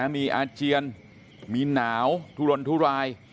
มีอาเจียนมีหนาวทุรนทุราย